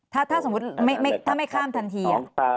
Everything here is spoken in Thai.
ถ้าสมมุติถ้าไม่ข้ามทันที